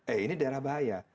eh ini daerah bahaya